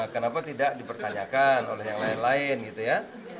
kenapa tidak dipertanyakan oleh yang lain lain gitu ya